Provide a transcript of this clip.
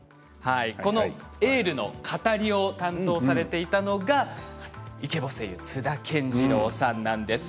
「エール」の語りを担当していたのがイケボ声優、津田健次郎さんなんです。